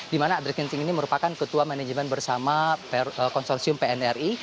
di mana adrik ginting ini merupakan ketua manajemen bersama konsorsium pnri